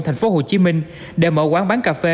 tp hcm để mở quán bán cà phê